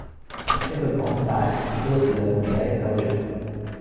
一句講晒，嗰個時代同依家係一鳩樣，